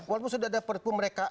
walaupun sudah ada perpunya